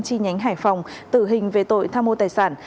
chi nhánh hải phòng tử hình về tội tham mô tài sản